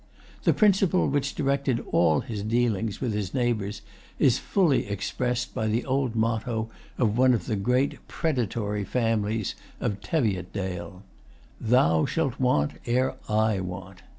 The principle which directed all his dealings with his neighbors is fully expressed by the old motto of one of the great predatory families of Teviotdale, "Thou shalt want ere I want."